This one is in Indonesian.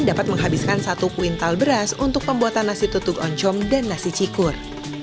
dapat menghabiskan satu kuintal beras untuk pembuatan nasi tutup oncom dan nasi cikur